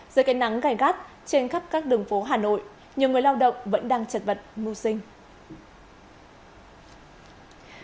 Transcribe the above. giữa cái nắng gài gắt trên khắp các đường phố hà nội nhiều người lao động vẫn đang chật vật ngu sinh